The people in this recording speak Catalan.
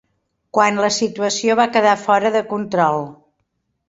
Quan la situació va quedar fora de control.